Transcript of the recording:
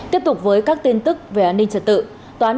tiếp tục với các tin tức về an ninh trật tự